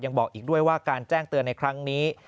บอกอีกด้วยว่าการแจ้งเตือนในครั้งนี้